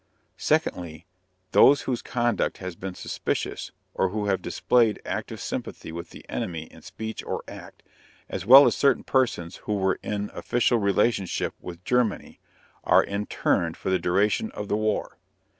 Secondly, those whose conduct has been suspicious, or who have displayed active sympathy with the enemy in speech or act, as well as certain persons who were in official relationship with Germany, are interned for the duration of the war.